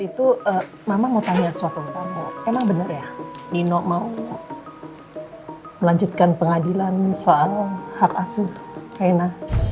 itu mama mau tanya suatu emang bener ya nino mau melanjutkan pengadilan soal hak asuh kaina